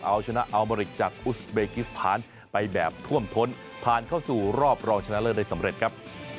เอาชนะอัลเมริกจากอุสเบกิสถานไปแบบท่วมท้นผ่านเข้าสู่รอบรองชนะเลิศได้สำเร็จครับ